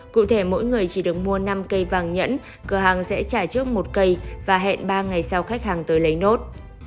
cụ thể mỗi người chỉ được mua năm cây vàng nhẫn cửa hàng sẽ trả trước một cây và hẹn ba ngày sau khách hàng tới lấy nốt